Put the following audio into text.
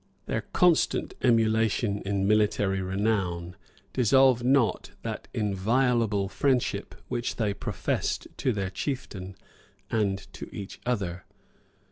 Their constant emulation in military renown dissolved not that inviolable friendship which they professed to their chieftain and to each other.